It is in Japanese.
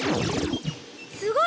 すごい！